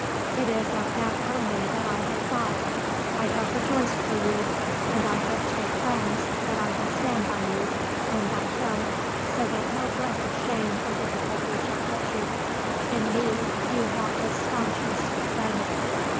It is of that only that I have thought. I have rejoiced for you. And I have told Franz that I will stand by you and by him so that no breath of shame or difficulty shall touch you. In me you have the staunchest friend."